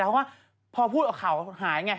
เพราะว่าพอพูดออกข่าวหายไง